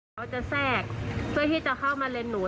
เขาจะแทรกเพื่อที่จะเข้ามาเลนหนู